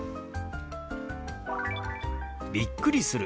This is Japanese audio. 「びっくりする」。